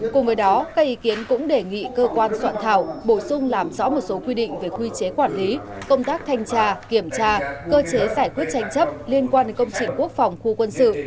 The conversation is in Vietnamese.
cùng với đó các ý kiến cũng đề nghị cơ quan soạn thảo bổ sung làm rõ một số quy định về quy chế quản lý công tác thanh tra kiểm tra cơ chế giải quyết tranh chấp liên quan đến công trình quốc phòng khu quân sự